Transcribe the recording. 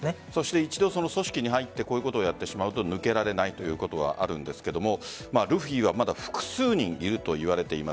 一度、組織に入ってこういうことをやってしまうと抜けられないということがあるんですがルフィはまだ複数人いるといわれています。